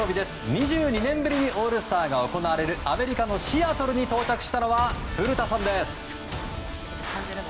２２年ぶりにオールスターが行われるアメリカのシアトルに到着したのは古田さんです。